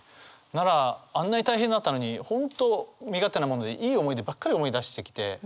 ならあんなに大変だったのに本当身勝手なものでいい思い出ばっかり思い出してきて。